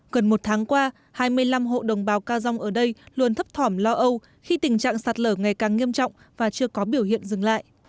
gần một tháng qua hai mươi năm hộ đồng bào ca dông ở đây luôn thấp thỏm lo âu khi tình trạng sạt lở ngày càng nghiêm trọng và chưa có biểu hiện dừng lại